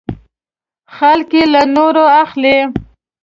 خلک یې له نورو اخلي .